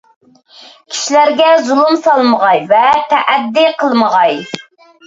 كىشىلەرگە زۇلۇم سالمىغاي ۋە تەئەددى قىلمىغاي.